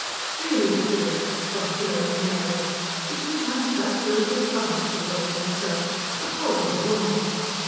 "Really, Tilly!" expostulated Mary. ("She sometimes DOES go too far," she thought to herself. "The poor little woman!")